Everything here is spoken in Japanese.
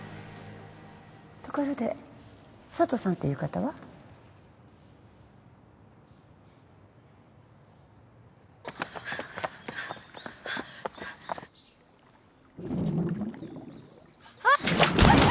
ところで佐都さんっていう方は？あっ！